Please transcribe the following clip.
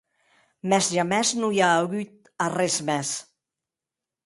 Mès jamès non i a auut arrés mès.